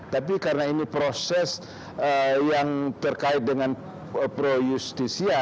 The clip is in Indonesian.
tapi karena ini proses yang terkait dengan pro justisia